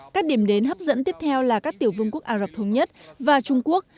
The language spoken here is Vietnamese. các điểm đến hấp dẫn tiếp theo là các tiểu vương quốc ả rập thống nhất và trung quốc